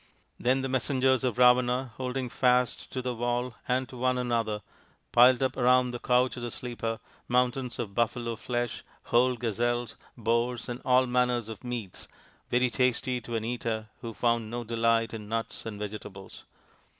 Then the messengers of Ravana, holding fast to the wall and to one another, piled up around the couch of the sleeper mountains of buffalo flesh, whole gazelles, boars, and all manner of meats very tasty to an eater who found no delight in nuts and vegetables.